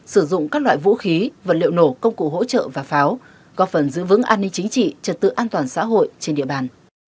sử dụng các loại vũ khí vật liệu nổ công cụ hỗ trợ và pháo góp phần giữ vững an ninh chính trị trật tự an toàn xã hội trên địa bàn